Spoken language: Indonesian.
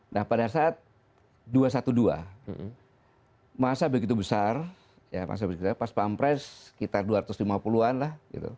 nah pada saat dua ratus dua belas masa begitu besar pas pampres sekitar dua ratus lima puluh an lah